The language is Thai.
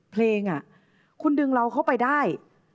เพลงคุณดึงเราเข้าไปได้